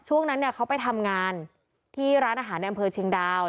ช่วงนั้นเนี่ยเขาไปทำงานที่ร้านอาหารในอำเภอเชียงดาว